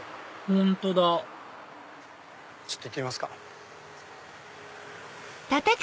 本当だちょっと行ってみますか。